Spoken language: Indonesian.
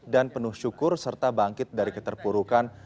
dan penuh syukur serta bangkit dari keterpurukan